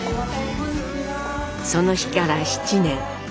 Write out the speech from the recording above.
その日から７年。